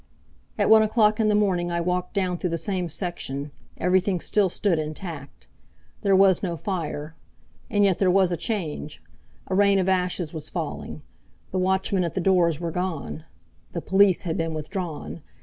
At one o'clock in the morning I walked down through the same section Everything still stood intact. There was no fire. And yet there was a change. A rain of ashes was falling. The watchmen at the doors were gone. The police had been withdrawn.